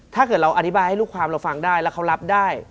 ถ้าเกิดเราอธิบายให้ลูกความเราฟังได้แล้วเขารับได้